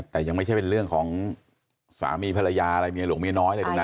แต่ยังไม่ใช่เป็นเรื่องของสามีภรรยาอะไรเมียหลวงเมียน้อยอะไรตรงนั้น